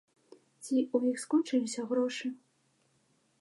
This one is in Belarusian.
Ці ў іх скончыліся грошы.